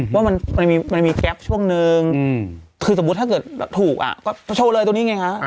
ว่ามันมีแก๊ปช่วงนึงคือสมมุติถ้าเกิดถูกก็โชว์เลยตรงนี้ไงฮะ